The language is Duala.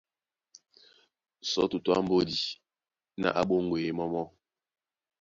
Só Tutú á mbódi ná á ɓóŋgweye mɔ́ mɔ́.